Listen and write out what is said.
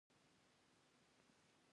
آیا اتن په دایروي شکل ترسره نه کیږي؟